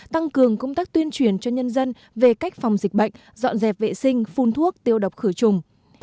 tăng cường công tác tuyên truyền cho nhân dân về cách phòng dịch bệnh dọn dẹp vệ sinh phun thuốc tiêu độc khử trùng